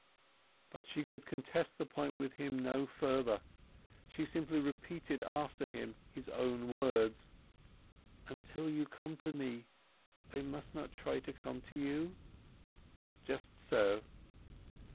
But she could contest the point with him no further. She simply repeated after him his own words. "Until you come to me I must not try to come to you?" "Just so."